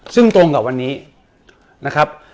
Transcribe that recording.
ซึ่งตรงกับวันนี้นะครับ